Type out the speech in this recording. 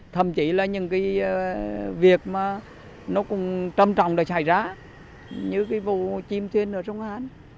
thậm chí là những cái việc mà nó cũng trầm trọng đã xảy ra như cái vụ chim thuyền ở sông hán